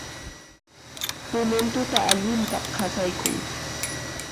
Kunan tuta allinta qasaykun.